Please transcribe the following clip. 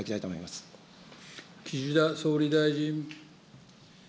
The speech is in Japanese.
ま岸田総理大臣。